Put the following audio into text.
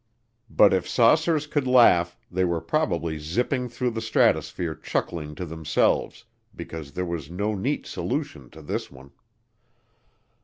But if saucers could laugh, they were probably zipping through the stratosphere chuckling to themselves, because there was no neat solution to this one.